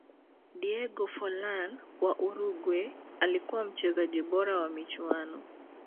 diego forlan wa uruguay alikuwa mchezaji bora wa michuano